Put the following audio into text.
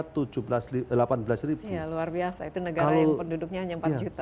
iya luar biasa itu negara yang penduduknya hanya empat juta